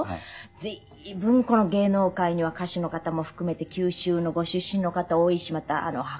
随分この芸能界には歌手の方も含めて九州のご出身の方多いしまた博多ら辺は多いですね。